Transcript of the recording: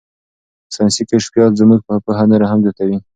ساینسي کشفیات زموږ پوهه نوره هم زیاتوي.